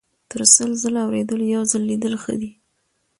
- تر سل ځل اوریدلو یو ځل لیدل ښه دي.